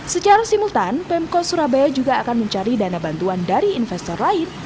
secara simultan pemkot surabaya juga akan mencari dana bantuan dari investor lain